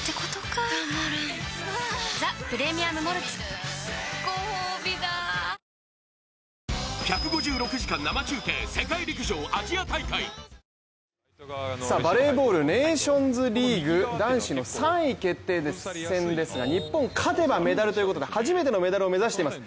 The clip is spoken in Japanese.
しみるごほうびだバレーボールネーションズリーグ男子の３位決定戦ですが日本、勝てばメダルということで、初めてのメダルを目指しています。